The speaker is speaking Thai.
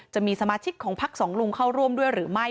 จะมีสมาชิกของพักสองลุงเข้าร่วมด้วยหรือไม่